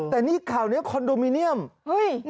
แต่นี่ข่าวนี้คอนโดมิเนียม